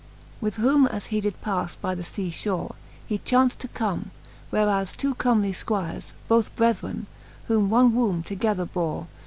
IV. With whom as he did pafTe by the fea fhore. He chaunft to come, whereas two comely fquires. Both brethren, whom one wombe together bore.